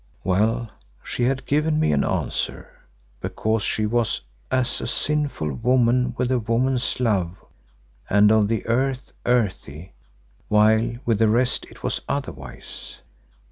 Well, she had given me an answer, because she was "as a sinful woman with a woman's love and of the earth, earthy," while with the rest it was otherwise.